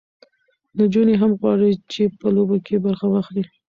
نجونې هم غواړي چې په لوبو کې برخه واخلي.